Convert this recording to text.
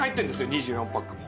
２４パックも。